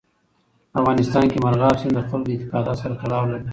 په افغانستان کې مورغاب سیند د خلکو له اعتقاداتو سره تړاو لري.